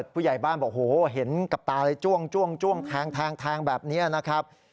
พวกใหญ่บ้านบอกโอ้โฮเห็นกลับตาจ้วงแทงแบบนี้นะครับ